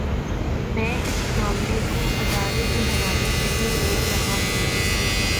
میں اس معاملے کو ادارے کے حوالے سے بھی دیکھ رہا ہوں۔